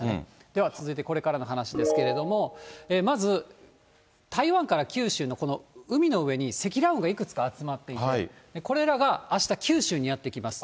では続いてこれからの話ですけれども、まず台湾から九州の、この海の上に積乱雲がいくつか集まっていて、これらがあした九州にやって来ます。